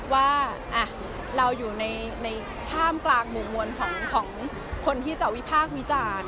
ว่าเราอยู่ในท่ามกลางหมู่มวลของคนที่จะวิพากษ์วิจารณ์